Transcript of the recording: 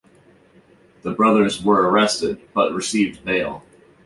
The brothers were arrested but received bail.